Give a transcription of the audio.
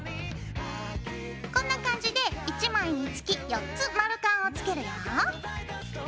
こんな感じで１枚につき４つ丸カンをつけるよ。